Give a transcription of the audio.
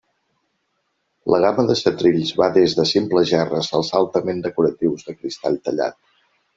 La gamma de setrills va des de simples gerres als altament decoratius de cristall tallat.